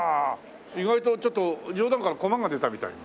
意外とちょっと冗談から駒が出たみたいに。